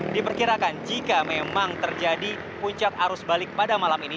diperkirakan jika memang terjadi puncak arus balik pada malam ini